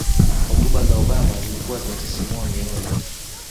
hotuba za obama zilikuwa zinasisimua mioyo